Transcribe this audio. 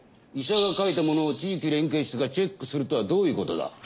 医者が書いたものを地域連携室がチェックするとはどういうことだ？